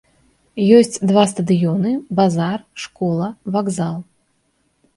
Ёсць два стадыёны, базар, школа, вакзал.